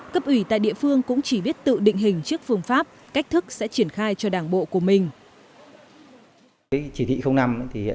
cấp ủy tại địa phương cũng chỉ biết tự định hình trước phương pháp cách thức sẽ triển khai cho đảng bộ của mình